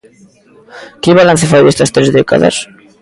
Que balance fai destas tres décadas?